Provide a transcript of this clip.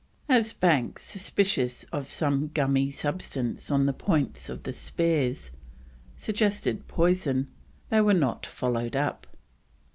As Banks, suspicious of some gummy substance on the points of the spears, suggested poison, they were not followed up.